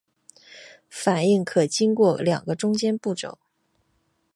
反应可能经过两个中间步骤。